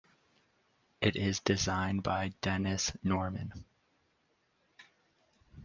It is designed by Dennis Nordman.